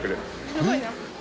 すごいな。